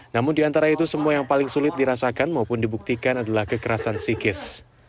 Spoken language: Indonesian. namun di antara itu semua yang paling sulit dirasakan maupun dibuktikan adalah kekerasan psikis